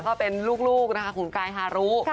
ก็เป็นลูกนะคะคุณกายฮารุ